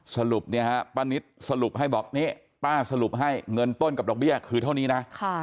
สรุปเนี่ยฮะป้านิตสรุปให้บอกนี่ป้าสรุปให้เงินต้นกับดอกเบี้ยคือเท่านี้นะ